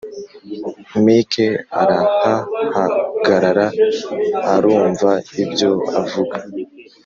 mike arahahagara arumvaibyo avuga